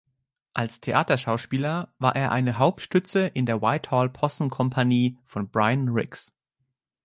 Als Theaterschauspieler war er eine Hauptstütze in der Whitehall-Possenkompanie von Brian Rix.